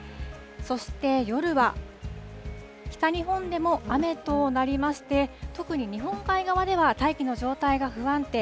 そして、夜は、北日本でも雨となりまして、特に日本海側では大気の状態が不安定。